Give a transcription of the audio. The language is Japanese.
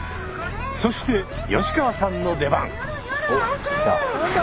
そして吉川さんの出番。